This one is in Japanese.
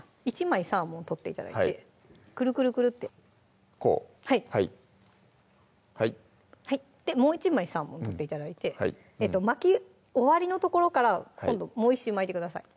１枚サーモン取って頂いてくるくるくるってこうもう１枚サーモン取って頂いて巻き終わりの所から今度もう１周巻いてください